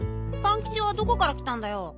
パンキチはどこからきたんだよ。